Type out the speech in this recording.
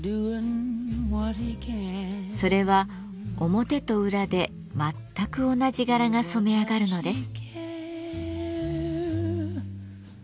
それは表と裏で全く同じ柄が染め上がるのです。